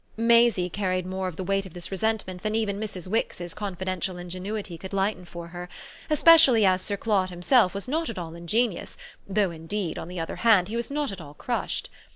Maisie carried more of the weight of this resentment than even Mrs. Wix's confidential ingenuity could lighten for her, especially as Sir Claude himself was not at all ingenious, though indeed on the other hand he was not at all crushed.